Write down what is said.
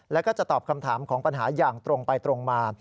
แล้วก็จะตอบคำถามของปัญหาอย่างตรงไปตรงมา